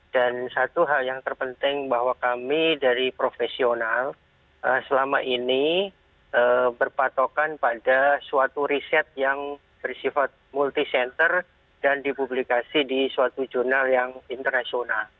dan satu hal yang terpenting bahwa kami dari profesional selama ini berpatokan pada suatu riset yang bersifat multi center dan dipublikasi di suatu jurnal yang internasional